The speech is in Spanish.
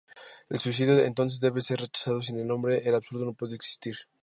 El suicidio, entonces, debe ser rechazado: sin el hombre, el absurdo no puede existir.